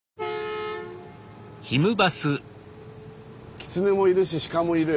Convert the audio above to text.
キツネもいるし鹿もいる？